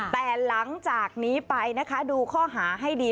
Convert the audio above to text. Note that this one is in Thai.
แต่หลังจากนี้ไปนะคะดูข้อหาให้ดี